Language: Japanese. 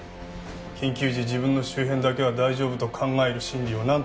緊急時自分の周辺だけは大丈夫と考える心理をなんと習った？